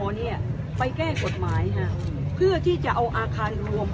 ตอนนี้ก็คือคว้องเป็นคดีที่๓นะคะคว้องเป็นคดีที่๓คาเหตุ